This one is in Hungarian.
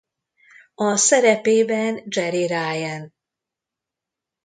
A szerepében Jeri Ryan.